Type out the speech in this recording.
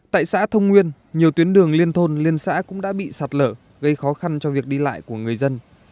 tại xã thông nguyên nhiều tuyến đường liên thôn liên xã cũng đã bị sạt lở gây khó khăn cho việc đi lại của người dân